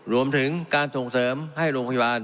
รวมถึงการส่งเสริมให้โรงพยาบาล